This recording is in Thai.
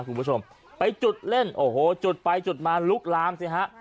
คุณผู้ชมไปจุดเล่นโอ้โหจุดไปจุดมาลุกลามสิฮะ